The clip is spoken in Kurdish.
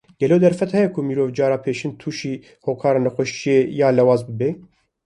Gelo derfet heye ku mirov cara pêşîn tûşî hokara nexweşiyê ya lawaz bibe?